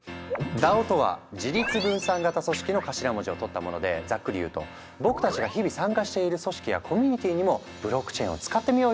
ＤＡＯとは「自律分散型組織」の頭文字を取ったものでざっくり言うと「僕たちが日々参加している組織やコミュニティーにもブロックチェーンを使ってみようよ」っていう考え方。